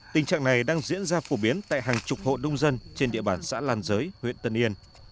tình trạng này đang diễn ra phổ biến tại hàng chục hộ đông dân trên địa bàn xã lan giới huyện tân yên